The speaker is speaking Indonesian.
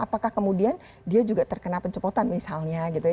apakah kemudian dia juga terkena pencopotan misalnya gitu ya